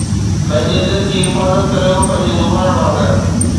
پنھنجي دل جي حفاظت ڪريو پنھنجي زبان وانگر